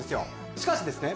しかしですね